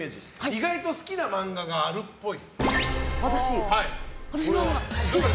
意外と好きな漫画があるっぽい。